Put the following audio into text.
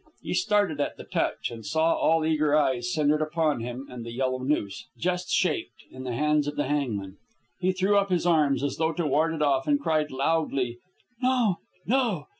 He started at the touch, and saw all eager eyes centred upon him, and the yellow noose, just shaped, in the hands of the hangman. He threw up his arms, as though to ward it off, and cried loudly, "No! no!